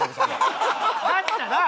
だったら。